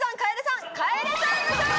かえでさん